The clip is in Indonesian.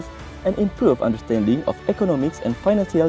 dan memperbaiki pemahaman ekonomi dan perkembangan finansial